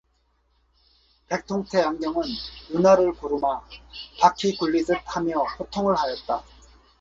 백통테 안경은 눈알을 구루마 바퀴 굴리듯 하며 호통을 하였다.